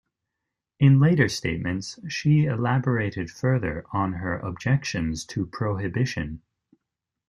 In later statements, she elaborated further on her objections to prohibition.